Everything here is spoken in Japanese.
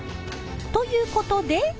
ということで。